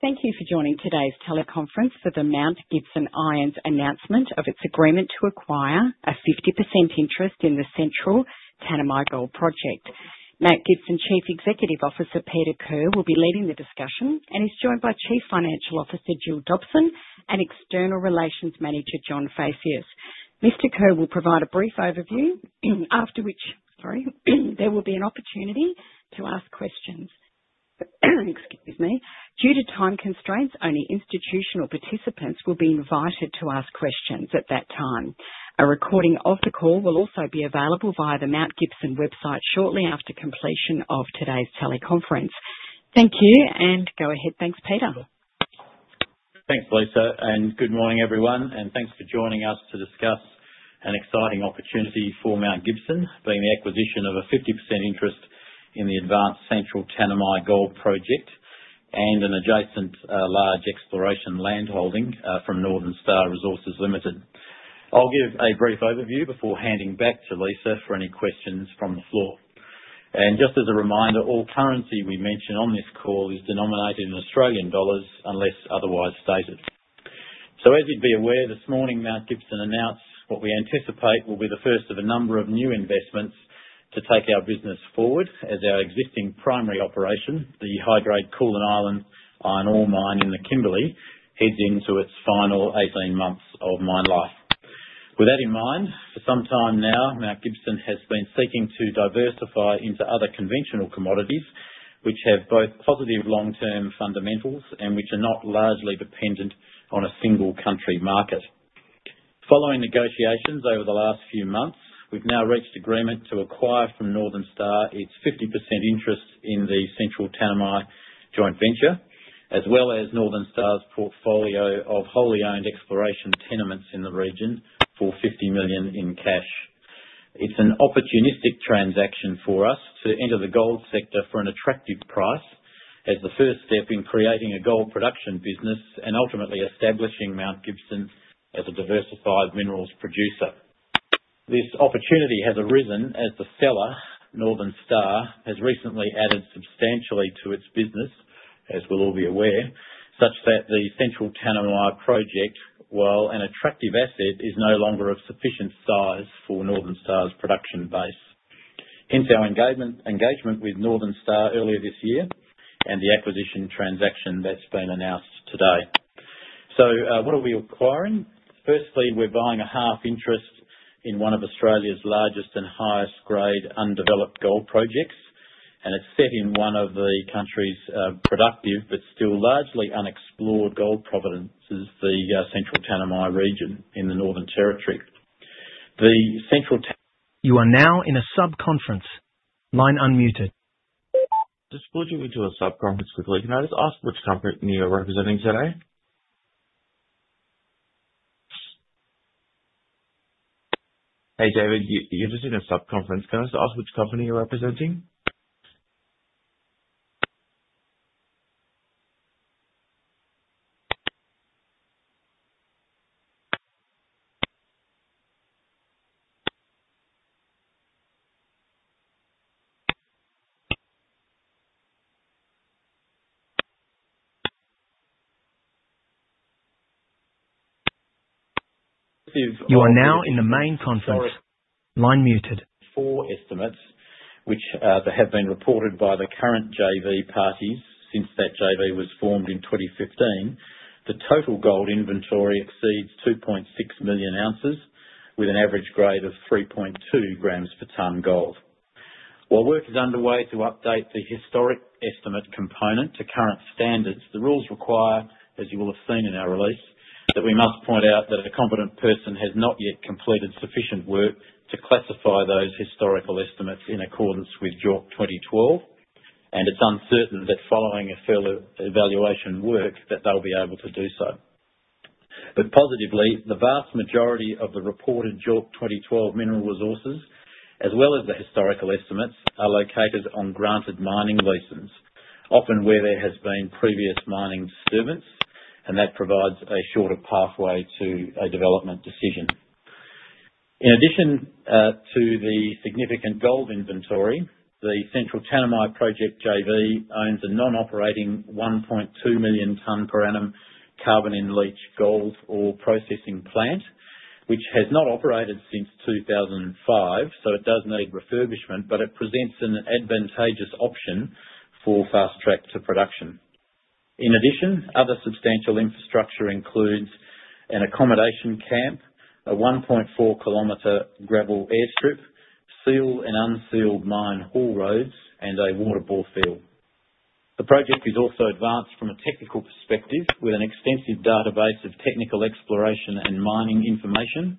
Thank you for joining today's teleconference for the Mount Gibson Iron announcement of its agreement to acquire a 50% interest in the Central Tanami Gold Project. Mount Gibson Chief Executive Officer Peter Kerr will be leading the discussion and is joined by Chief Financial Officer Jill Dobson and External Relations Manager John Phaceas. Mr. Kerr will provide a brief overview, after which there will be an opportunity to ask questions. Due to time constraints, only institutional participants will be invited to ask questions at that time. A recording of the call will also be available via the Mount Gibson website shortly after completion of today's teleconference. Thank you and go ahead. Thanks, Peter. Thanks, Lisa, and good morning everyone, and thanks for joining us to discuss an exciting opportunity for Mount Gibson Iron, being the acquisition of a 50% interest in the advanced Central Tanami Gold Project and an adjacent large exploration landholding from Northern Star Resources Limited. I'll give a brief overview before handing back to Lisa for any questions from the floor. Just as a reminder, all currency we mention on this call is denominated in Australian dollars unless otherwise stated. As you'd be aware, this morning Mount Gibson Iron announced what we anticipate will be the first of a number of new investments to take our business forward as our existing primary operation, the Koolan Island iron ore mine in the Kimberley, heads into its final 18 months of mine life. With that in mind, for some time now, Mount Gibson Iron has been seeking to diversify into other conventional commodities, which have both positive long-term fundamentals and which are not largely dependent on a single country market. Following negotiations over the last few months, we've now reached agreement to acquire from Northern Star its 50% interest in the Central Tanami joint venture, as well as Northern Star's portfolio of wholly owned exploration tenements in the region for 50 million in cash. It's an opportunistic transaction for us to enter the gold sector for an attractive price as the first step in creating a gold production business and ultimately establishing Mount Gibson Iron as a diversified minerals producer. This opportunity has arisen as the seller, Northern Star, has recently added substantially to its business, as we'll all be aware, such that the Central Tanami project, while an attractive asset, is no longer of sufficient size for Northern Star's production base. Hence our engagement with Northern Star earlier this year and the acquisition transaction that's been announced today. What are we acquiring? Firstly, we're buying a half interest in one of Australia's largest and highest grade undeveloped gold projects, and it's set in one of the country's productive but still largely unexplored gold provinces, the Central Tanami region in the Northern Territory. The Central Tanami Gold Project. You are now in a subconference. Line unmuted. Can I just ask which company you're representing today? Hey David, you're just in a subconference. Can I just ask which company you're representing? You are now in the main conference. Line muted. Four estimates, which have been reported by the current JV party since that JV was formed in 2015. The total gold inventory exceeds 2.6 million ounces, with an average grade of 3.2 grams per tonne gold. While work is underway to update the historic estimate component to current standards, the rules require, as you will have seen in our release, that we must point out that a competent person has not yet completed sufficient work to classify those historical estimates in accordance with JORC 2012, and it's uncertain that following further evaluation work that they'll be able to do so. Positively, the vast majority of the reported JORC 2012 mineral resources, as well as the historical estimates, are located on granted mining leases, often where there has been previous mining disturbance, and that provides a shorter pathway to a development decision. In addition to the significant gold inventory, the Central Tanami Gold Project JV owns a non-operating 1.2 million tonne per annum carbon-in-leach processing plant, which has not operated since 2005, so it does need refurbishment, but it presents an advantageous option for fast track to production. In addition, other substantial infrastructure includes an accommodation camp, a 1.4km gravel airstrip, sealed and unsealed mine haul roads, and a water bore field. The project is also advanced from a technical perspective with an extensive database of technical exploration and mining information,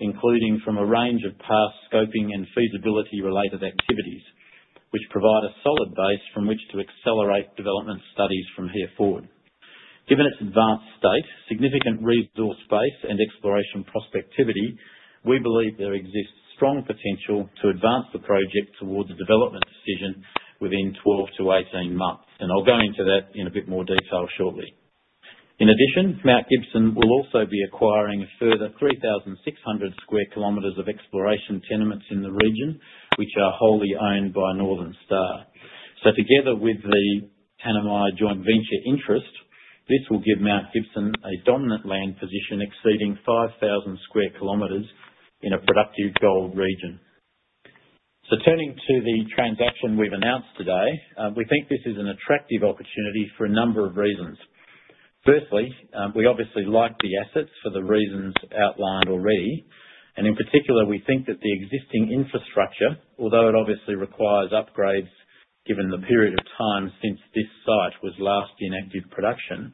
including from a range of past scoping and feasibility-related activities, which provide a solid base from which to accelerate development studies from here forward. Given its advanced state, significant resource base, and exploration prospectivity, we believe there exists strong potential to advance the project towards a development decision within 12 -18 months, and I'll go into that in a bit more detail shortly. In addition, Mount Gibson Iron will also be acquiring a further 3,600 square kilometers of exploration tenements in the region, which are wholly owned by Northern Star Resources Limited. Together with the Tanami joint venture interest, this will give Mount Gibson Iron a dominant land position exceeding 5,000 square kilometers in a productive gold region. Turning to the transaction we've announced today, we think this is an attractive opportunity for a number of reasons. Firstly, we obviously like the assets for the reasons outlined already, and in particular, we think that the existing infrastructure, although it obviously requires upgrades given the period of time since this site was last in active production,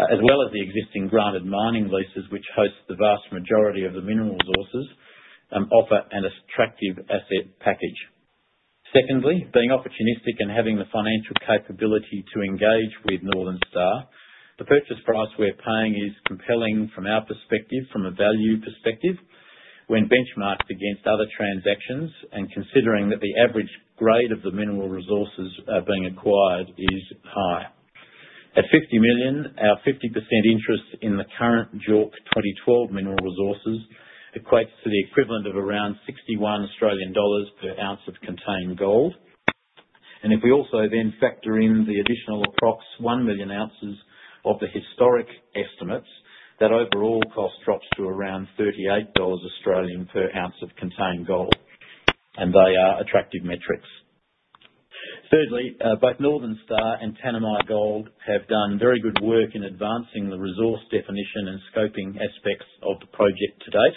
as well as the existing granted mining leases, which host the vast majority of the mineral resources, offer an attractive asset package. Secondly, being opportunistic and having the financial capability to engage with Northern Star, the purchase price we're paying is compelling from our perspective, from a value perspective, when benchmarked against other transactions and considering that the average grade of the mineral resources being acquired is high. At 50 million, our 50% interest in the current JORC 2012 mineral resources equates to the equivalent of around 61 Australian dollars per ounce of contained gold, and if we also then factor in the additional approximately 1 million ounces of the historic estimates, that overall cost drops to around 38 Australian dollars per ounce of contained gold, and they are attractive metrics. Thirdly, both Northern Star and Tanami Gold have done very good work in advancing the resource definition and scoping aspects of the project to date.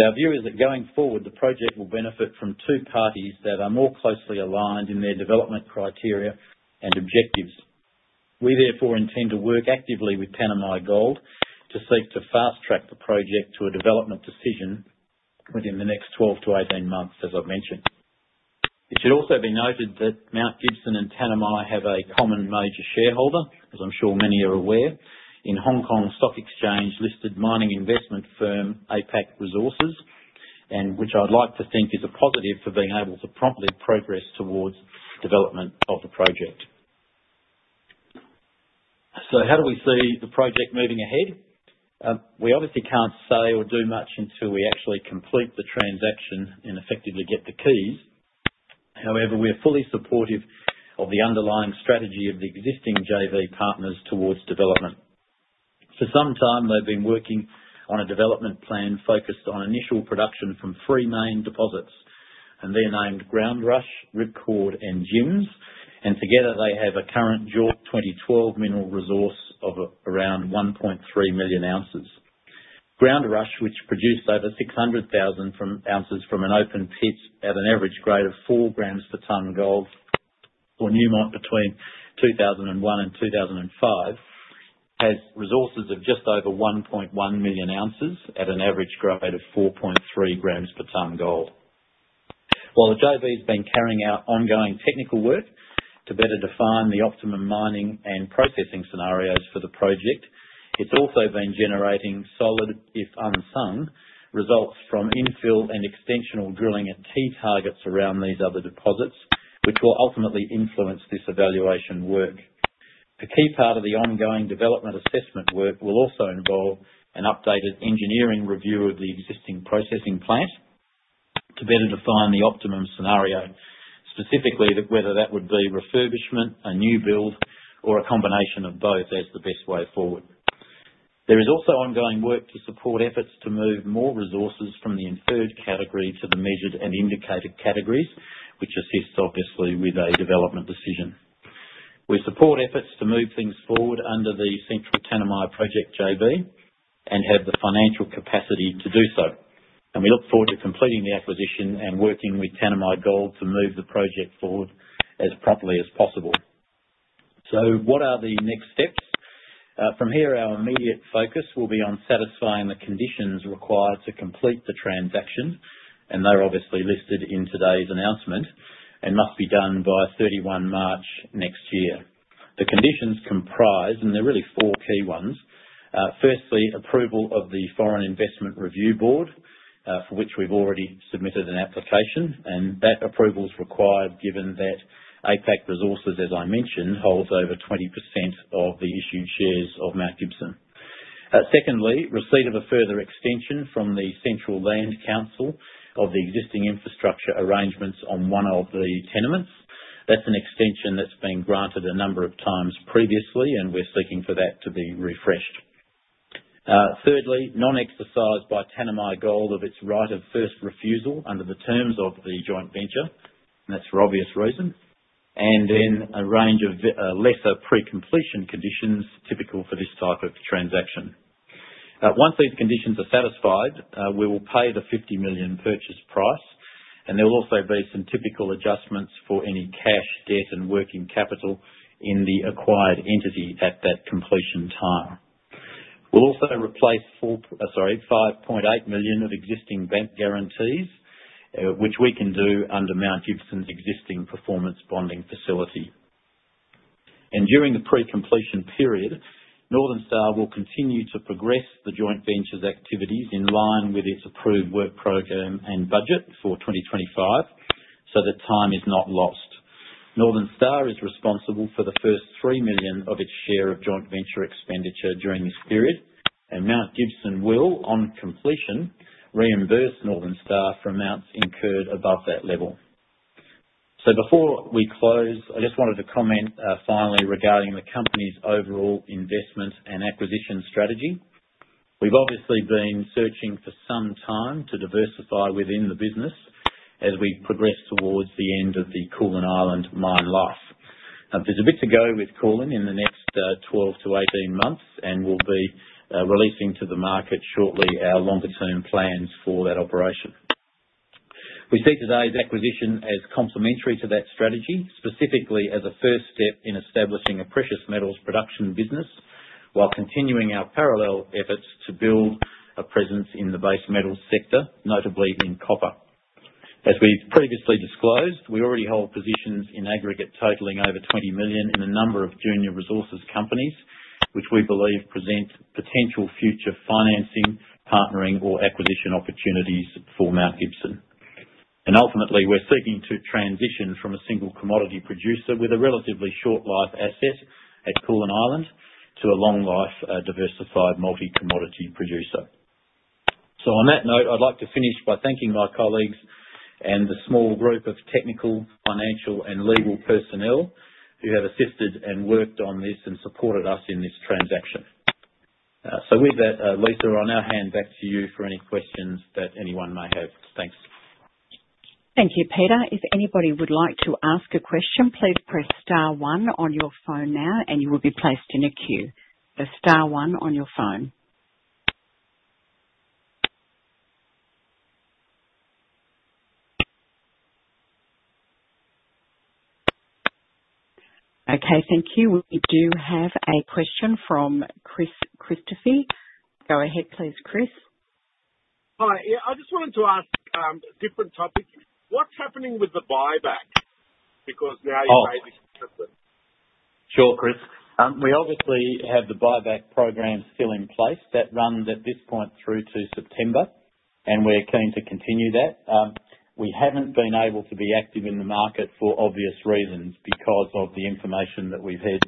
Our view is that going forward, the project will benefit from two parties that are more closely aligned in their development criteria and objectives. We therefore intend to work actively with Tanami Gold to seek to fast track the project to a development decision within the next 12-18 months, as I've mentioned. It should also be noted that Mount Gibson Iron and Tanami Gold have a common major shareholder, as I'm sure many are aware, in Hong Kong Stock Exchange listed mining investment firm APAC Resources, which I'd like to think is a positive for being able to promptly progress towards development of the project. How do we see the project moving ahead? We obviously can't say or do much until we actually complete the transaction and effectively get the keys. However, we're fully supportive of the underlying strategy of the existing JV partners towards development. For some time, they've been working on a development plan focused on initial production from three main deposits, and they're named Ground Rush, Ripcord, and Jims, and together they have a current JORC 2012 mineral resource of around 1.3 million ounces. Ground Rush, which produced over 600,000 ounces from an open pit at an average grade of 4 grams per tonne of gold, or Newmont between 2001 and 2005, has resources of just over 1.1 million ounces at an average grade of 4.3 grams per tonne of gold. While the JV's been carrying out ongoing technical work to better define the optimum mining and processing scenarios for the project, it's also been generating solid, if unsung, results from infill and extensional drilling at key targets around these other deposits, which will ultimately influence this evaluation work. A key part of the ongoing development assessment work will also involve an updated engineering review of the existing processing plant to better define the optimum scenario, specifically whether that would be refurbishment, a new build, or a combination of both as the best way forward. There is also ongoing work to support efforts to move more resources from the inferred category to the measured and indicated categories, which assists, obviously, with a development decision. We support efforts to move things forward under the Central Tanami Gold Project JV and have the financial capacity to do so, and we look forward to completing the acquisition and working with Tanami Gold to move the project forward as promptly as possible. What are the next steps? From here, our immediate focus will be on satisfying the conditions required to complete the transaction, and they're obviously listed in today's announcement and must be done by March 31 next year. The conditions comprise, and they're really four key ones. Firstly, approval of the Foreign Investment Review Board, for which we've already submitted an application, and that approval is required given that APAC Resources, as I mentioned, holds over 20% of the issued shares of Mount Gibson Iron. Secondly, receipt of a further extension from the Central Land Council of the existing infrastructure arrangements on one of the tenements. That's an extension that's been granted a number of times previously, and we're seeking for that to be refreshed. Thirdly, non-exercise by Tanami Gold of its right of first refusal under the terms of the joint venture, and that's for obvious reason, and then a range of lesser pre-completion conditions typical for this type of transaction. Once these conditions are satisfied, we will pay the 50 million purchase price, and there will also be some typical adjustments for any cash, debt, and working capital in the acquired entity at that completion time. We will also replace 5.8 million of existing vent guarantees, which we can do under Mount Gibson's existing performance bonding facility. During the pre-completion period, Northern Star will continue to progress the joint venture's activities in line with its approved work program and budget for 2025, so that time is not lost. Northern Star is responsible for the first 3 million of its share of joint venture expenditure during this period, and Mount Gibson will, on completion, reimburse Northern Star for amounts incurred above that level. Before we close, I just wanted to comment finally regarding the company's overall investment and acquisition strategy. We've obviously been searching for some time to diversify within the business as we progress towards the end of the Koolan Island mine life. There's a bit to go with Koolan in the next 12-18 months, and we'll be releasing to the market shortly our longer-term plans for that operation. We see today's acquisition as complementary to that strategy, specifically as a first step in establishing a precious metals production business while continuing our parallel efforts to build a presence in the base metals sector, notably in copper. As we've previously disclosed, we already hold positions in aggregate totaling over 20 million in a number of junior resources companies, which we believe present potential future financing, partnering, or acquisition opportunities for Mount Gibson. Ultimately, we're seeking to transition from a single commodity producer with a relatively short-life asset at Koolan Island to a long-life, diversified, multi-commodity producer. On that note, I'd like to finish by thanking my colleagues and the small group of technical, financial, and legal personnel who have assisted and worked on this and supported us in this transaction. With that, Lisa, I'll now hand back to you for any questions that anyone may have. Thanks. Thank you, Peter. If anybody would like to ask a question, please press star one on your phone now, and you will be placed in a queue. Press star one on your phone. Okay, thank you. We do have a question from Chris Christoffy. Go ahead, please, Chris. Hi, I just wanted to ask a different topic. What's happening with the buyback? Because we are in a major shortage. Sure, Chris. We obviously have the share buyback programs still in place that run at this point through to September, and we're keen to continue that. We haven't been able to be active in the market for obvious reasons because of the information that we've had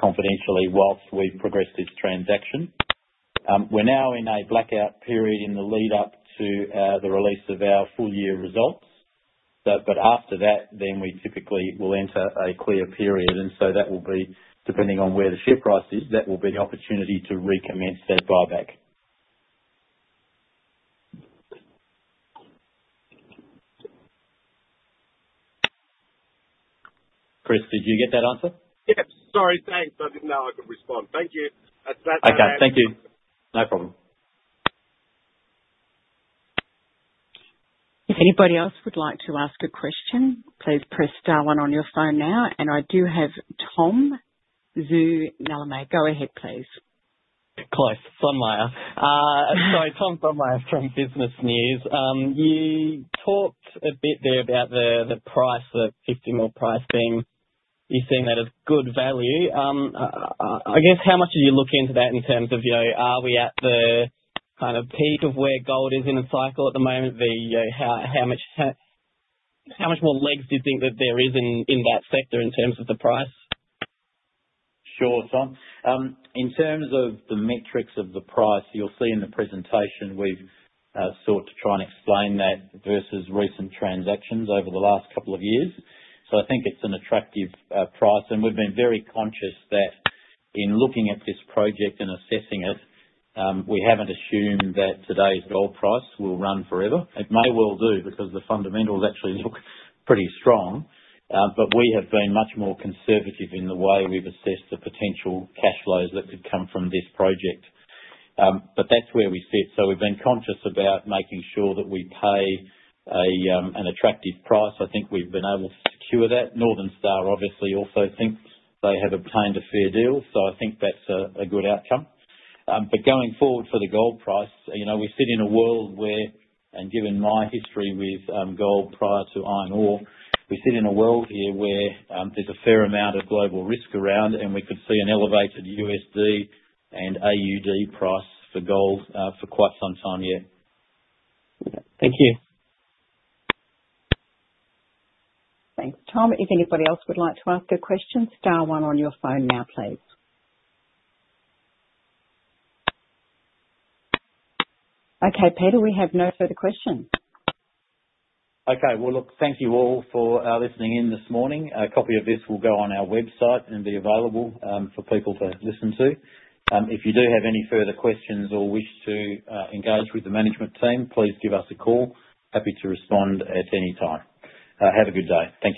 confidentially whilst we've progressed this transaction. We're now in a blackout period in the lead-up to the release of our full-year results. After that, we typically will enter a clear period, and so that will be, depending on where the share price is, the opportunity to recommence that buyback. Chris, did you get that answer? Yep, sorry, thanks. I didn't know I could respond. Thank you. Okay, thank you. No problem. If anybody else would like to ask a question, please press star one on your phone now, and I do have Tom Zunalame. Go ahead, please. Sorry, Tom Forman from Business News. You talked a bit there about the price, the 50 more price thing. You seemed at a good value. I guess how much did you look into that in terms of, you know, are we at the kind of peak of where gold is in a cycle at the moment? How much more legs do you think that there is in that sector in terms of the price? Sure, Tom. In terms of the metrics of the price, you'll see in the presentation we've sought to try and explain that versus recent transactions over the last couple of years. I think it's an attractive price, and we've been very conscious that in looking at this project and assessing it, we haven't assumed that today's gold price will run forever. It may well do because the fundamentals actually look pretty strong, but we have been much more conservative in the way we've assessed the potential cash flows that could come from this project. That's where we sit. We've been conscious about making sure that we pay an attractive price. I think we've been able to secure that. Northern Star obviously also think they have obtained a fair deal, so I think that's a good outcome. Going forward for the gold price, you know, we sit in a world where, and given my history with gold prior to iron ore, we sit in a world here where there's a fair amount of global risk around, and we could see an elevated USD and AUD price for gold for quite some time yet. Thank you. Thanks, Tom. If anybody else would like to ask a question, star one on your phone now, please. Okay, Peter, we have no further questions. Okay, thank you all for listening in this morning. A copy of this will go on our website and be available for people to listen to. If you do have any further questions or wish to engage with the management team, please give us a call. Happy to respond at any time. Have a good day. Thank you.